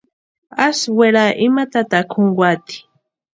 Asï wera ima tataka junkwaati.